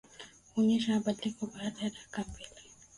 huonesha mabadiliko baada ya dakika mbili